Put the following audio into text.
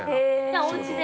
おうちで？